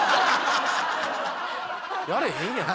やれへんやん。